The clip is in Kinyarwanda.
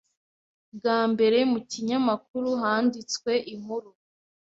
Bwa mbere mu kinyamakuru handitswe inkuru